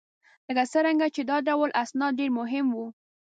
لکه څرنګه چې دا ډول اسناد ډېر مهم وه